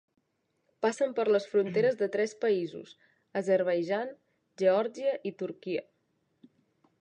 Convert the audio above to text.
Passen per les fronteres de tres països: Azerbaidjan, Geòrgia i Turquia.